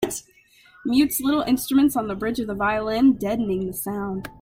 Mutes little instruments on the bridge of the violin, deadening the sound.